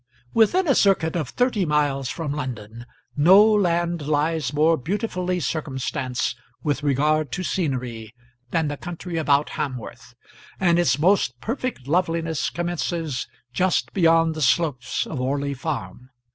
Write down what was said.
Within a circuit of thirty miles from London no land lies more beautifully circumstanced with regard to scenery than the country about Hamworth; and its most perfect loveliness commences just beyond the slopes of Orley Farm.